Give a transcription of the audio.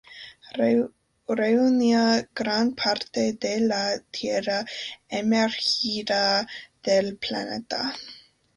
Reunía gran parte de la tierra emergida del planeta.